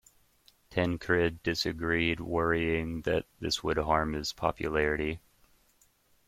Tancred disagreed, worrying that this would harm his popularity.